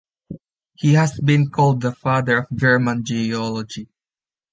He has been called the "father of German geology".